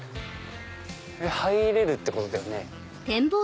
入れるってことだよね。